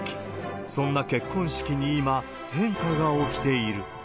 そんな結婚式に今、変化が起きている。